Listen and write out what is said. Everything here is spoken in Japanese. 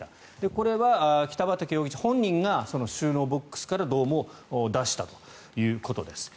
これは北畠容疑者本人が収納ボックスからどうも出したということです。